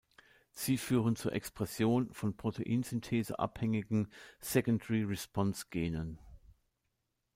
Sie führen zur Expression von Proteinsynthese-abhängigen "secondary response" Genen.